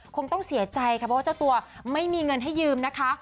คงต้องเสียใจค่ะเพราะว่าเจ้าตัวไม่มีเงินให้ยืมนะคะ